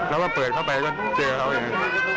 แล้วก็เปิดเข้าไปก็เจอเขาอย่างนี้